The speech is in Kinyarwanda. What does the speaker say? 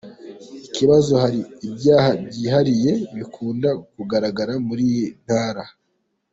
Ikibazo : Hari ibyaha byihariye bikunda kugaragara muri iyi ntara ?